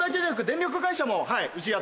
電力会社？